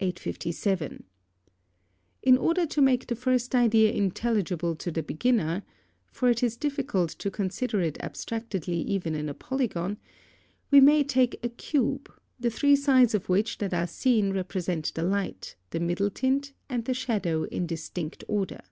857. In order to make the first idea intelligible to the beginner, (for it is difficult to consider it abstractedly even in a polygon,) we may take a cube, the three sides of which that are seen represent the light, the middle tint, and the shadow in distinct order.